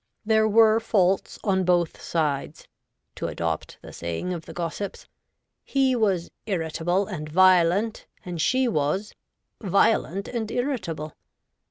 ' There were faults on both sides '— to adopt the saying of the gossips : he was irritable and violent, and she was — violent and irritable!